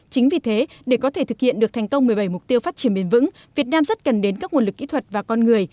chính vì thế để có thể thực hiện được thành công một mươi bảy mục tiêu phát triển bền vững việt nam rất cần đến các nguồn lực kỹ thuật và con người